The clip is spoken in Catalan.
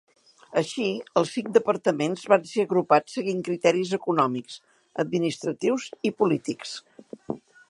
Així, els cinc departaments van ser agrupats seguint criteris econòmics, administratius i polítics.